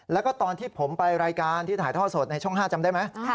แล้วก็ตอนที่ผมไปรายการที่ถ่ายท่อสดในช่อง๕จำได้ไหม